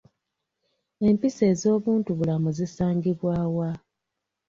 Empisa ez'obuntubulamu zisangibwa wa?